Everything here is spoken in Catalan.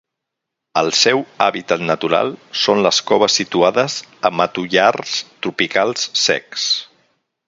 El seu hàbitat natural són les coves situades a matollars tropicals secs.